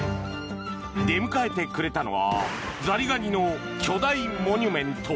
出迎えてくれたのはザリガニの巨大モニュメント。